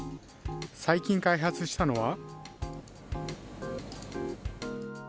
最近開発したのは。